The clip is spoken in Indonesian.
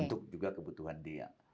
untuk juga kebutuhan dia